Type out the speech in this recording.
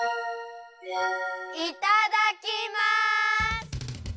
いただきます！